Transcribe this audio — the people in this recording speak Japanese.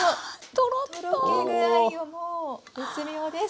とろけ具合ももう絶妙です。